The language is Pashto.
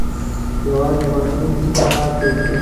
یوازې ماشوم پاتې شو.